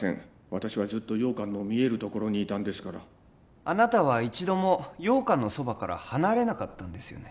私はずっと羊羹の見える所にいたんですからあなたは一度も羊羹のそばから離れなかったんですよね？